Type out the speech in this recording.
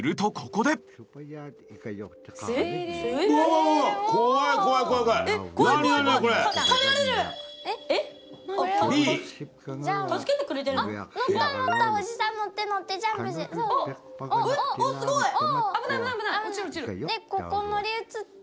でここ乗り移って。